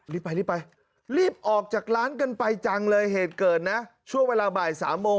รีบไปรีบไปรีบออกจากร้านกันไปจังเลยเหตุเกิดนะช่วงเวลาบ่ายสามโมง